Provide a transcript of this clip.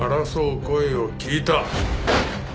争う声を聞いた。